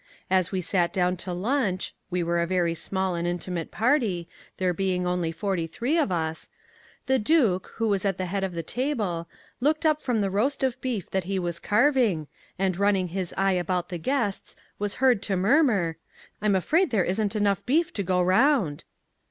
As we sat down to lunch (we were a very small and intimate party, there being only forty three of us) the Duke, who was at the head of the table, looked up from the roast of beef that he was carving, and running his eye about the guests was heard to murmur, 'I'm afraid there isn't enough beef to go round.'